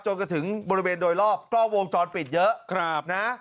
จนถึงบริเวณโดยรอบกล้องวงจรปิดเยอะนะ